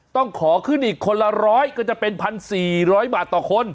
ต้องขอขึ้นอีกคนละร้อยก็จะเป็น๑๔๐๐บาทต่อคน